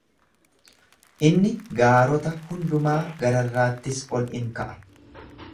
Inni gaarota hundumaa gararraattis ol in ka'a.